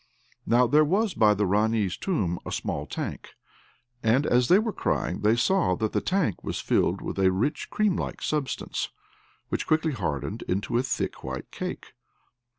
Now there was by the Ranee's tomb a small tank, and as they were crying they saw that the tank was filled with a rich cream like substance, which quickly hardened into a thick white cake.